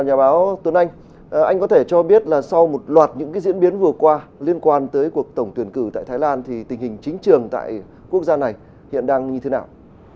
nhà báo tuấn anh anh có thể cho biết là sau một loạt những cái diễn biến vừa qua liên quan tới cuộc tổng tuyển cử tại thái lan thì tình hình chính trường tại quốc gia này hiện đang như thế nào